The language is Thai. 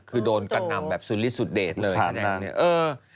คือโดนกระนำแบบสุดฤทธิ์สุดเดชน์เลยอย่างนี้